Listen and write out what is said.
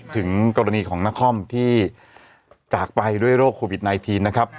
ถึงกรณีของนครที่จากไปด้วยโรคโควิด๑๙นะครับ